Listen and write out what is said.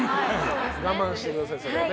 我慢してください、それはね。